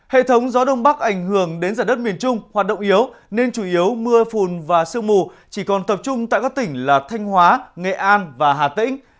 hệ thống gió đông bắc ảnh hưởng đến giả đất miền trung hoạt động yếu nên chủ yếu mưa phùn và sương mù chỉ còn tập trung tại các tỉnh là thanh hóa nghệ an và hà tĩnh